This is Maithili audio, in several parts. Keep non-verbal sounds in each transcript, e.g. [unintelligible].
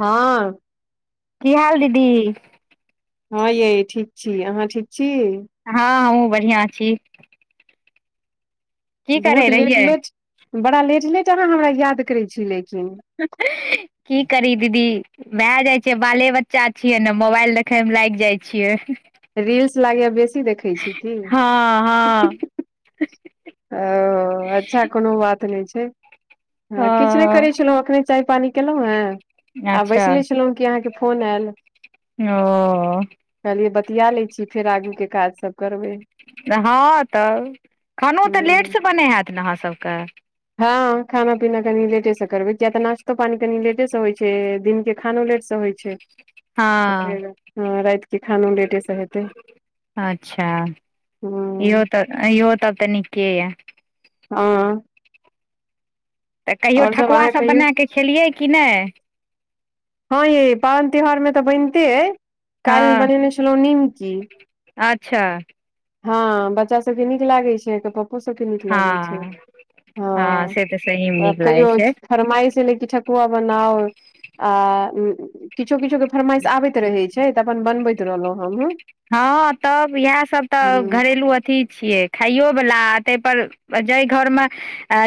हँ। की हाल दीदी। हँ यै ठीक छी अहाँ ठीक छी। हँ हमहू बढ़िआं छी। की बहुत करै लेट रहियै लेट बड़ा लेट लेट अहाँ हमरा याद करैत छी लेकिन। की करी दीदी। भए जाइ छियै बाले बच्चा छियै ने मोबाइल देखयमे लागि जाइ छियै। रील्स लागैये बेसी देखै छी की। हँ हँ ओ अच्छा कोनो बात नै छै। हँ किछु नहि ओ करैत छलहुँ एखने चाय पानि केलहुँ हेँ आ अच्छा बैसले छलहुँ कि अहाँकेँ फोन आयल। ओ। कहलियै बतिया लै छी फेर आगूके काज सभ करबै। हँ तऽ खानो तऽ हूँ लेटसँ बनैत हैत ने अहाँ सबके। हँ खाना पीना कनि लेटे से करबै किया तऽ नाश्ता नाश्तो पानी कनि लेटे से होइ छै, दिन के खानो लेट से होइ छै। तऽ हँ फेर रातिकेँ खानो लेटेसँ हेतै। अच्छा, हूँ इहो तऽ इहो तऽ नीके। हँ। तऽ कहियो और ठकुआ अहाँ सब कहियौ बना कऽ खेलियै कि नै। हँ यै पाबनि तिहार मे तऽ बैनते ऐ काल्हि हम हँ बनेने छलहु निमकी, अच्छा हँ बच्चा सब के नीक लागे छै एकर पपो सब के नीक लागे छै। हँ हँ से तऽ सहीमे नीक लागै कहियो छै फरमाइस एलै कि ठकुआ बनाऊ आ किछो किछो के फरमाइश आबैत रहै छै तऽ अपन बनबैत रहलहुँ हमहु। हँ तब इएह सब तऽ घरेलू अथि छियै, खाइयोवला ताहि पर जाहि घरमे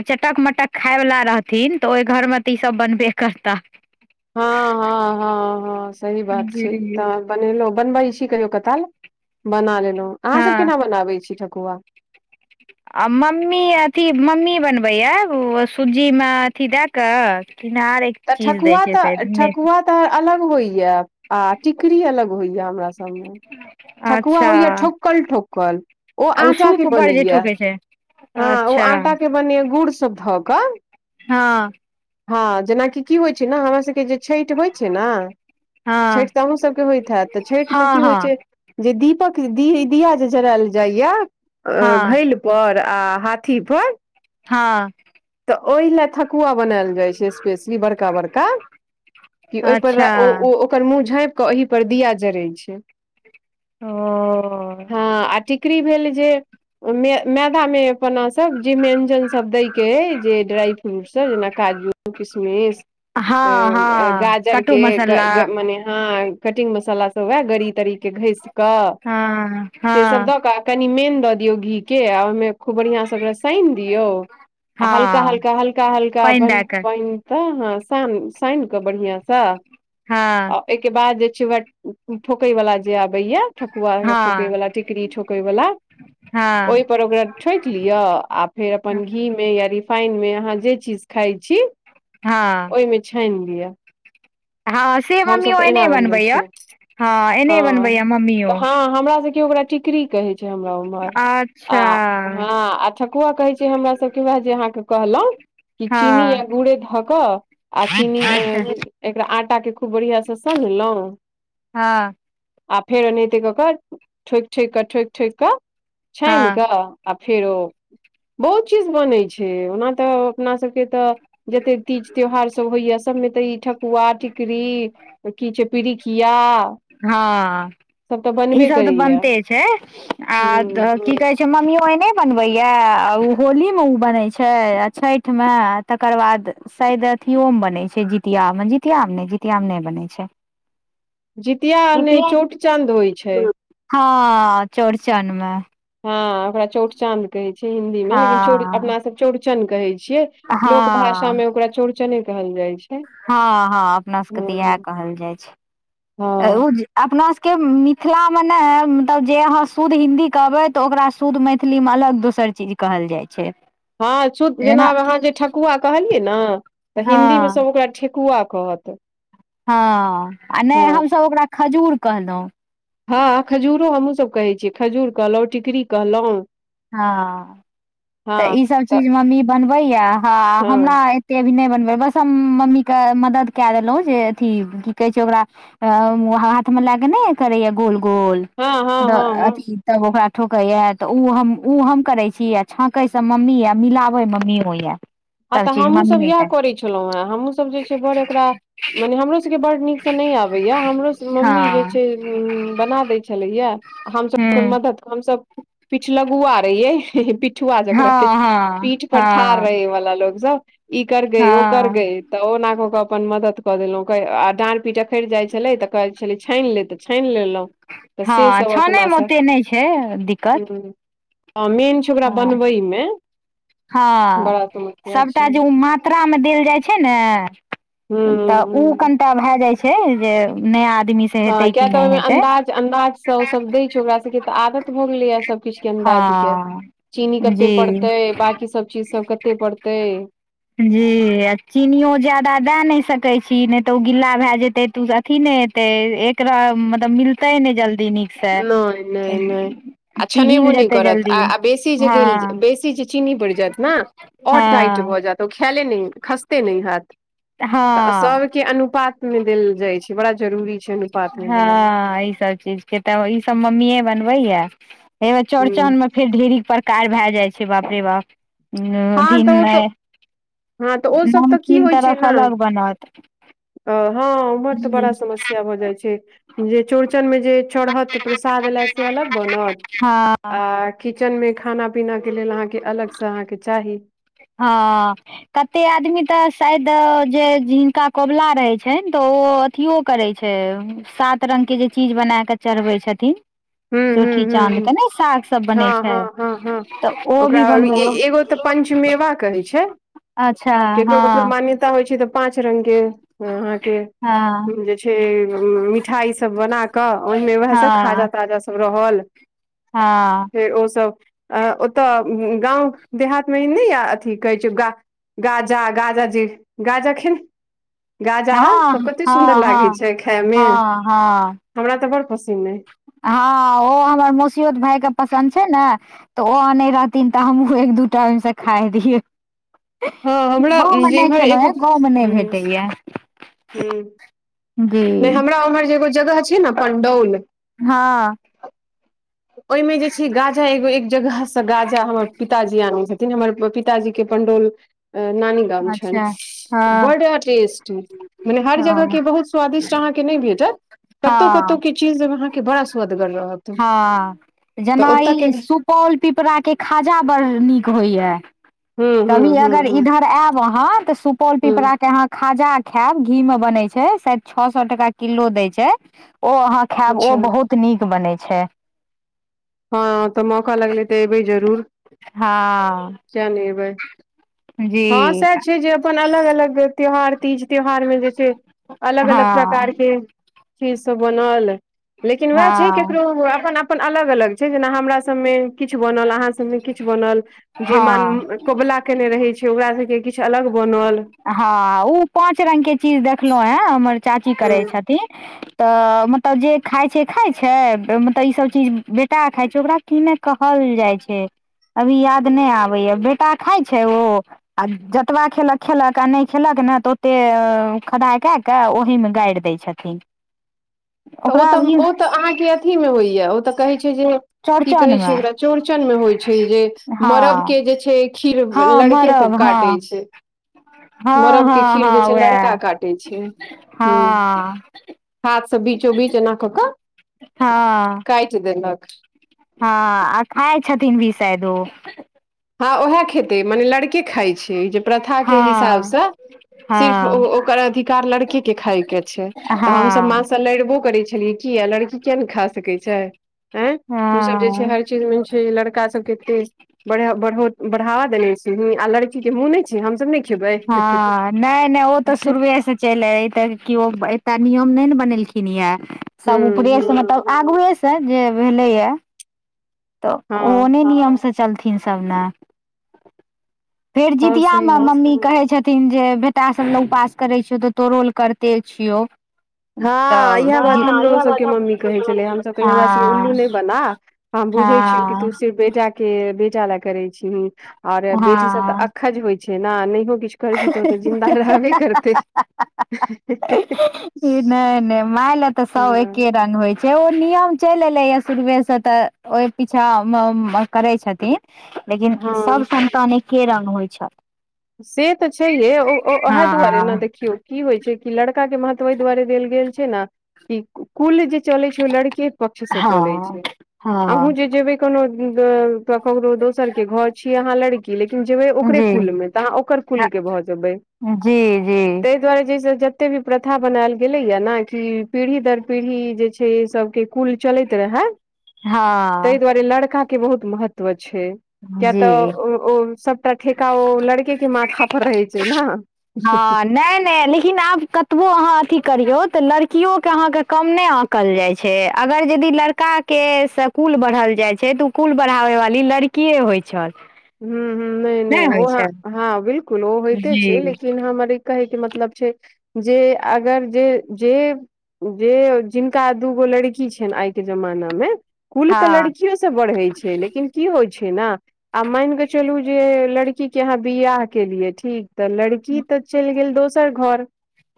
चटक मटक खायवला रहथिन तऽ ओहि घरमे तऽ ईसभ बनबे करताह। [inaudible] हँ हँ हँ हँ सही बात छै जी तऽ बनेलहु बनबै छी कहियो काल बना लेलहु, अहाँ सब हँ केना बनबै छी ठकुआ। [inaudible] आ मम्मी अथि मम्मी बनबैये ओ सुजीमे अथि दए कऽ किनारे तऽ ठकुआ तऽ ठकुआ तऽ अलग होइये आ टिकरी अलग होइये। हमरा सबमे, ठकुआ अच्छा होइये ठोकल ठोकल ओ आ आटाके सूप पर जे बनैए, ठोकै छै हँ ओ अच्छा आटाके बनैए गुड़सभ धऽ कऽ हँ। हँ जेनाकि की होइ छै ने हमरा सबके जे छैठ होइ छै न तऽ हँ छैठ त अहूँ सबके होइत हैत तऽ छैठ मे हँ की होइ हँ छै। जे दीपक दी दीया जे जरायल जाइया अ हँ घैल पर आ हाथी पर। हँ। तऽ ओहिला थ कुआ बनाल जाय छै स्पेशली बड़का बड़का क ओहि पर अच्छा ओकर मुंह झाँप केऽ ओहि पर दिया जड़ै छै। ओ। हँ आ टिकड़री भेल जे मे मैदा मे अपना सब जे ब्ययंजन सब दय जे ड्राइ फ्रूटसभ जेना काजू किशमिश हँ अ हँ गाजर कट्टू के मसाला मने ह कटिंग मसाला सब उएह गड़ी तरीक के घस कऽ हँ से सब हँ दऽ क कनि मेन दऽ दियौ घी के आ ओहिमे खूब बढ़ियां से ओकरा सानि दियऔ आ हलका हँ हल्का हल्का हल्का पानि अपन दए कऽ प तऽ हँ श सान कऽ बढ़िआंसँ हँ। तय के बाद जे छै व ठोके वाला जे आबे या ठकुआ के हँ ठोकैवला टिकड़री ठोकैवला ओहि हँ पर ओकरा छठँटि लिअ आ फेर अपन घीमे या रिफाइनमे अहाँ जे चीज खाइत छी। हँ। छान लिय हँ से मम्मी हमसब ओ तऽ एना एने बनबै बनबैया छियै। हँ एने बनबैया मम्मीयो तऽ हँ हमरा सबके ओकरा टिकरी हमरा उमर आ अच्छा ह आ ठकुआ कहै छै हमरा ताइके बाद जे अहाँके कहलहुँ कि चिनी हँ य गुड़े धक आ चिनी अ अच्छा एकरा आटा के खूब बढ़िया से सनलहुँं हँ। आ फेर ओनाहिते कऽ कऽ ठोकि ठोकि कऽ ठोकि ठोकि कऽ छानि हँ कऽ आ फेरो बहुत चीज बनै छै ओना तऽ अपना सबके तऽ जते तीज त्यौहार सब होइया सभमे तऽ ई ठकुआ टिकड़री की छै पीड़ इिया [unintelligible] हँ ई सब तऽ करैया बनते छै आ हूँ की कहै छै। मम्मियो एहने बनबैया आ ओ होलीमे ओ बनै छै आ छठिमे तकर बाद शायद अथियो मे बनै छै जितिया मे जितिया मे ने जितिया मे नहि बनै छै। जितिया ने चोट चंद होइ छै। हँ चौड़चनमे हँ ओकरा चौड़चद कहै छियै हिंदी मे लेकिन हँ अपना सब चौड़चन कहै छियै। हँ लोक भाषा मे ओकरा चौड़चने कहल जाइ छै। हँ हँ अपना सबके तऽ हँ इएह कहल जाइ छै। हँ ओ अपनासभके मिथिलामे ने मतलब जे अहाँ शुद्ध हिन्दी कहबै तऽ ओकरा शुद्ध मैथिली मे अलग दोसर चीज कहल जाइ छै। हँ। जेना अहाँ जे ठकुआ कहलियै ने तऽ हिंन्दीमे हँ सभ ओकरा ठेकुआ कहत। हँ आ नहि हँ हमसभ ओकरा खजूर कहलहुँ। हँ खजूरो हमहूँसभ कहै छियै खजूर कहलहुँ टिकड़ी कहलहुँ। हँ तऽ ईसभ तऽ चीज मम्मी बनबैया हँ हमरा ते भी नहि बनबै बस हम मम्मी के मदद क देलहुँ जे अथी की कहै छै ओकरा अ हाथ मे लाए क नहि करैए गोल गोल हँ हँ द हँ हँ अथी तब ओकरा ठोकैए तऽ उ हम उ हम करै छी। छाँकै से मम्मी या मिलाबै मम्मी यए आ तऽ हमहूँसभ इएह करैय छलहुँ हे हमहूँसभ जे छै बड़ एकरा मने हमरोसभके बड्ड नीकसँ नहि आबैए हमरोसभके मम्मी जे हँ छै बना दै छलैया हमस ओकर हूँ मदद हमस पीठ लगुआ रहियै पी पीठुआ हँ जकरा के हँ पीठ पर ठाड़ हँ रहे वला लोग सब ई कर गइ ओ कर हँ गइ। तऽ ओना क क अपन मदद कऽ देलहुँ आ डाँढ़ पीट अकैर जाइत छलै त कहै छलै छानि ले तऽ छानि लेलहुँ। तऽ हँ से आ सब अपना छानैमे सब ओते नहि छै दिक्कत। ह मेन छै ओकरा बनबै हत मे हँ। बड़ा समस्या सभटा छै जे उ मात्रामे देल जाइ छै ने तऽ उ ह कनि टा भए जाइ छै जे नया आदमी स हँ किया तऽ ओहिमे अन्दाज अन्दाजसँ ओसभ दै छै ओकरा सभके तऽ आदत भऽ गेलैएा सभ सब किछ के अन्दाज के हँ चीनी कते जी पड़तै बाकी सब चीज सब कते पड़तै। जी आ चीनियो जादा दए नहि सकैत छी नहि तऽ ओ गिला भए जेतै तऽ ओ अथी नहि तै एकरा मतलब मिल तय ने जल्दी नीक से नहि नहि नहि आ छनेबो पिघिल नहि जेतै करत जल्दी। आ आ बेसी जे गइल हँ बेसी जे चीनी पड़ि जायत न और टाइट हँ भऽ जैत ओ खायले नहि खसते नहि हैत तऽ हँ सभके अनुपात मे देल जाइ छै बड़ा जरूरी छै अनुपात मे देनाइ। हँ ई सब चीज के तऽ ई सब मम्मीए बनबे येए एबेर चौड़चन हूँ म फेर ढेरिक प्रकार भए जाइ छै बाप रे बाप हँ अथिन तऽ ओ तऽ नहि हँ तऽ ओसब त की होइ छै तरफ ना। अलग बनत अ हँ उम्हर तऽ बड़ा समस्या भऽ जाय छै जे चौड़चन में जे चढ़त प्रसाद लए से अलग बनत हँ आर किचन मे खाना पीना के लेल अहाँके अलग से अहाँके चाही। हँ। कते आदमी तऽ शायद जे जिनका कोबला रहै छनि तऽ ओ अथिओ करे छै सात रंग के जे चीज बना के चढ़बे छथिन। हूँ हूँ चौठी हूँ चाँद हूँ के नै साग सब बनै हँ छै हँ हँ हँ तऽ ओ भी ओकरा अभी बनबै ए- एगो तऽ पंच मेवा कहै छै अच्छा केकरो हँ केकरो मान्यता होइ छै तऽ पाँच रंग के अहाँके हँ जे छै मिठाई सब बना कऽ ओहिमे वेहए सब खाजा हँ ताजा सब रहल। हँ। फेर ओसभ अ ओतय गाँव देहातमे नहि य अथी कहैत छै गा गाजा गाजा जे गाजा खेन गाजा हँ सब कते सुन्दर हँ लागै हँ छै खाए मे। हँ हँ हमरा तऽ बड़ पसिन अय। हँ ओ हमर मसियोत भाय के पसन्द छै ने तऽ ओ अने रहथिन तऽ हमहूँ एक दू टा ओहि मे से खाय रहिये। हँ हमरा गाँवमे जे नहि इम्हर खेलहुँ हे गाँवमे नहि भेटैया। हूं जी नहि हमरा उम्हर जे एगो जगह छै ने पण्डौल हँ। ओहिमे जे छै गाजा एगो एक जगह से गाजा हमर पिताजी आनै छथि। न हमर पिताजी के पंडोल नानी गाम छैन अच्छा हँ बड टेस्ट। टी मने हर जगह हँ के बहुत स्वादिस्ट अहाँके नै भेटत कतौ -कतौ हँ के चीज अहाँ। के बड़ा स्वदगर रहत तऽ ओतऽ के। पॉल पिपरा के खाजा बड़ नीक होइया। हूं हूं कभी हूं अगर हूं इधर आयब आहाँ तऽ सुपौल हूं पिपराके आहाँ। खाजा खेएब घी में बनय छै शायद छ सौ टका किलो दैय छै ओ आहाँ। खेएब ओ अच्छा बहुत नीक बनै छै। हँ तऽ मौका लगले तऽ एबै जरूर हँ किया नै एबै। हँ जी सएह छै जे अपन अलग -अलग त्यौहार तीज त्यौहारमे जे छै। अलग- अलग हँ प्रकार के। चीज सब बनल लेकिन वएह छै हँ केकरो अपन- अपन। अपन अलग- अलग छै जेना हमरा सब मे किछ बनल आहाँ सब मे किछ बनल। जे मान हँ कोबला केने रहै छै ओकारा सभके किछ अलग बनल। हँ ओ पाँच रंग के चीज देखलौ ऐं हमर चाची करै हँ छथिन। तऽ मतलब जे खाय छै खाय छै मतलब ई सब चीज बेटा खाय छै ओकरा कि नै कहल जाय छै। अभी याद नै आबेै या बेटा खाय छै ओ आ जतबा खेलक खेलक आ नै खेलक ने तऽ ओतेक खदाइ कए कऽ ओहिमे गाइड़ दै छथिन। तऽ ओ ओकरा तऽ अभी ओ तऽ आहाँके अथीमे होइया ओ तऽ कहैत छै जे। की चौड़चन कहै छै मे एकरा चौड़चन मे होयत छै जे मरब हँ के जे छै। खीर हँ लड़के सब मरब हँ काटे छै। हँ मरब के हँ खीर जे हँ छै लड़का वएह काटै छै हूँ। हँ हाथ से बीचो -बीच एना कऽ के हँ काइट देलक। हँ आ खाय छथिन भी शायद ओ। हँ उएह खेतै मने लड़के खेइछै जे प्रथाके हिसाब हँ सँ। सिर्फ ओ हँ ओकर अधिकार लड़के के खाय के छै तऽ हमसब माँ हँ से लड़बो करे छलियै। किया लड़की किया नेै खा सकै छै एँ तू सब जे छै हँ हर चीज छै लड़का सब के [unintelligible] बढ़ा-बड़ो-बढावा देने छीही आ लड़की के मुँह नै छै हमसब नेै हँ नैय -नैय ओतऽ ह सुरुए सँ। चैल एलै तऽ केओ एकटा नियम नै ने बनेलखिन ये सब ऊपरे से ह मतलब आगुए से जे भेलेै या तऽ हँ ओने नियम सँ। चलथिन सब न फेर हँ जितिया सही में बात छै मम्मी कहै छथिन जे बेटा सब लऽ उपास करै छियौ तऽ तोड़ो लऽ करते छियौ। हँ तऽ इएहे बात हमरो सबके मम्मी कहै छेलै जे हम सब कहै हमरा सबके उल्लू हँ नै बना। हम बुझैछियौ की हँ तू सिर्फ बेटा के बेटा ले करे छीही और बेटी सब तऽ हँ अकखज होय छैय न नहियो किछ। करबीही तऽ ओतऽ जिन्दा रहबे करतेै। नैय- नैय माय लए तऽ सब हँ एके रंग होय जे ओ नियम चैल एलेै शुरुवे से तऽ ओहि पीछा करेै छथिन। लेकिन सब हँ संन्तान एके रंग होय छऽ। से तऽ छैहे ओ-ओ ओहे दुआरे ने हँ देखियौ। की होय छै कि लड़का के महत्व एहि दुआरे देल गेल छै न। ई कुल जे चलेै छै ओ लड़के पक्ष से चलेै हँ छै अहूँ हँ जे जेबेै। कोनो ककरो दोसर के घर, छीे अहाँ लड़की लेकिन जेबे ओकरे जी कुल में। त आहाँ ओकर कुल के भ जेबे, जी जी ते दुआरे जे जते भी प्रथा बनायल गेलैया ने, कि पीढ़ी दर पीढ़ी जे छै सबके कुल चलैत रहै। ताहि हँ दुआरे लड़का के बहुत महत्व छै, कए तऽ जी ओ सबटा ठेका ओ लड़के के माथा पर रहै छै न। नै-नै लेकिन आब कतबो अहाँ अथी करियौ, तऽ लड़कियो के अहाँके कम नहि आँकल जाइ छै, अगर यदि लड़का के से कुल बढ़ल जाइ छै, तऽ ओ कुल बढ़ाबे वाली लड़कीए होइ छल। हूं - हूं नै- नै नहि होइ ओ छै हँ बिलकुल ओ होइते छै, जी लेकिन हमर कहै के मतलब छै जे अगर जे - जे जे जिनका दू गो लड़की छनि आइ के जमाना में कुल तऽ हँ लड़कियो स बढ़ै छै, लेकिन की होइ छै न आ माइन के चलू जे लड़की के आहाँ बियाह केलियै ठीक तऽ लड़की तऽ चलि गेल दोसर घर।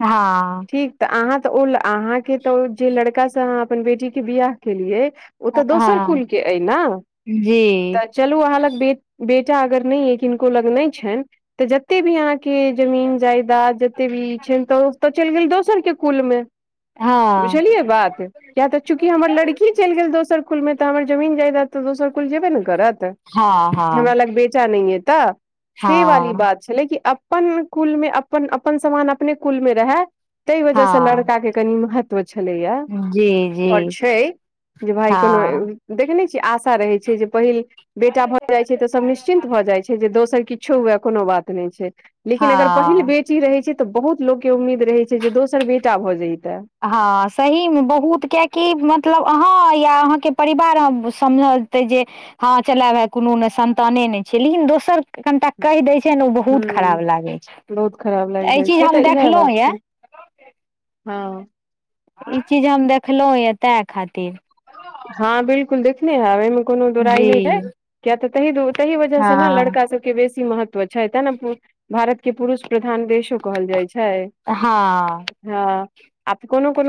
हां। ठीक तऽ अहाँ तऽ ओ अहाँ के तऽ जे लड़का से अहाँ अपन बेटी के बियाह केलियै ओ तऽ दोसर हँ कुल के अइ न। जी चलू अहाँ लग बे - बेटा अगर नहि अइ किनको लग नहि छनि तऽ जते भी अहाँके जमीन जायदाद जते भी छैन, तऽ ओत चलि गेल दोसर के कुल मे हँ। बुझलियै बात किया तऽ चूँकि हमर लड़की चलि गेल दोसर कुलमे, तऽ हमर जमीन जायदा तऽ दोसर कुल जेबे ने करत। हँ। हमरा हँ लग बेटा नै अय तऽ से वाली हँ बात छलै कि अपन कुल मे अपन समान अपने कुल मे रहै ताहि वजह से हँ लड़का के कनि महत्व छलैया, जी जी ओर छै जे भााय कोनो हँ देखने छीयै आशा रहे छै जे पहिल बेटा भए जाय छै, तऽ सब निश्चिन्त भए जाय छै। जे दोसर किछु हुए कोनो बात नहि छै, लेकिन अगर पहिल बेर हँ बेटी रहै छै तऽ बहुत लोकके के उम्मीद रहै छै, जे दोसर बेटा भऽ जइतै। हँ सही में बहुत कियाकि मतलब अहाँ या अहाँके परिवार समझलतै जे हं चलाय भाय कोनो ने संन्ताने नै छियै, लेकिन दोसर कनिटा कहि दै छै ने ओ बहुत खराब हूँ लागै छै, बहुत खराब लागि एहि जाइ चीज छै हम तऽ इएह देखलहुँ बात यऽ छै हँ। ई चीज हम देखलहुं यऽ तैं खातिर। हँ बिलकुल देखने हैब, एहिमे कोनो दोराई जी नहि है किया तऽ तहि द तहि वजह से ने हँ लड़का सब के बेसी महत्व छै ते भारत के पुरूष प्रधान देशो कहल जाइ छै। हँ। हँ आ कोनो कोनो